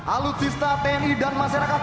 alutsista tni dan masyarakat